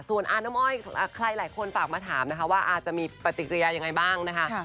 ส่วนอาน้ำอ้อยใครหลายคนฝากมาถามนะคะว่าอาจจะมีปฏิกิริยายังไงบ้างนะคะ